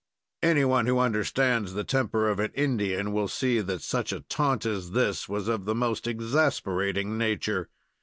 Anyone who understands the temper of an Indian will see that such a taunt as this was of the most exasperating nature.